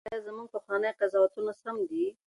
ایا زموږ پخواني قضاوتونه سم دي؟